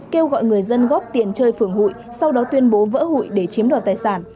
kêu gọi người dân góp tiền chơi phường hụi sau đó tuyên bố vỡ hụi để chiếm đoạt tài sản